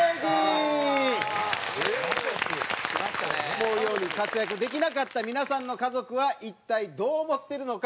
思うように活躍できなかった皆さんの家族は一体どう思ってるのか？